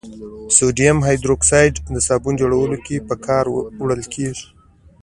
سودیم هایدروکساید د صابون جوړولو کې په کار وړل کیږي.